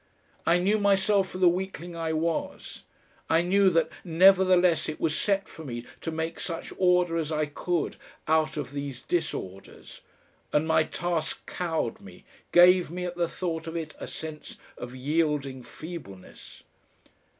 I knew myself for the weakling I was, I knew that nevertheless it was set for me to make such order as I could out of these disorders, and my task cowed me, gave me at the thought of it a sense of yielding feebleness.